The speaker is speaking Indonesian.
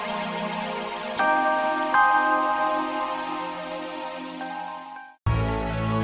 somebody sujarakan ilangnya